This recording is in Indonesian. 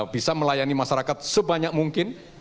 bisa melayani masyarakat sebanyak mungkin